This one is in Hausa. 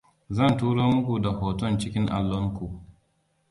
zan turo muku da hoton cikin allon ku